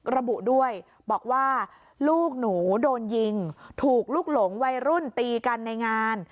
ระบุด้วยบอกว่าลูกหนูโดนยิงถูกลุกหลงวัยรุ่นตีกันในงาน